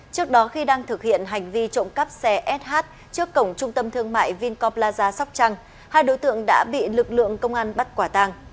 trước đó khi đang thực hiện hành vi trộm cắp xe sh trước cổng trung tâm thương mại vinco plaza sóc trăng hai đối tượng đã bị lực lượng công an bắt quả tàng